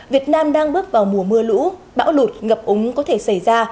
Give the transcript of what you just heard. việt nam đang bước vào mùa mưa lũ bão lụt ngập úng có thể xảy ra